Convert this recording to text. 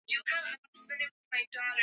Wanakamati walikusanyika kwenye kambi